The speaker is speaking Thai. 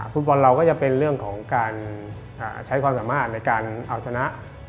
ฟุตบอลเราก็จะเป็นเรื่องของการใช้ความสามารถในการเอาชนะ